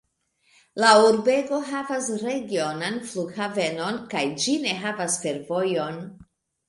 La urbego havas regionan flughavenon kaj ĝi ne havas fervojon.